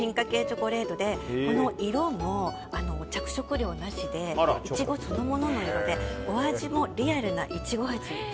チョコレートでこの色も、着色料なしでイチゴそのものの色でお味もリアルなイチゴ味。